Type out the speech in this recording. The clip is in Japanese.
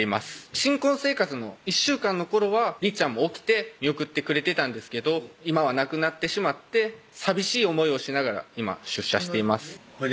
新婚生活の１週間の頃はりっちゃんも起きて見送ってくれてたんですけど今はなくなってしまって寂しい思いをしながら今出社していますほいで？